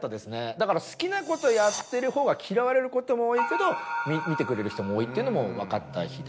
だから好きなことやってるほうが嫌われることも多いけど見てくれる人も多いっていうのも分かった日で。